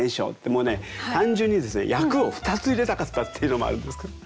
もうね単純にですね「焼」を２つ入れたかったっていうのもあるんですけど。